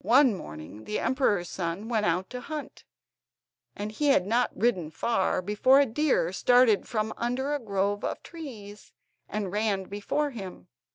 One morning the emperor's son went out to hunt, and he had not ridden far, before a deer started from under a grove of trees, and ran before him.